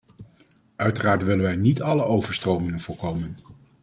Uiteraard willen wij niet alle overstromingen voorkomen.